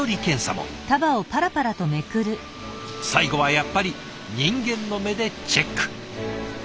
最後はやっぱり人間の目でチェック。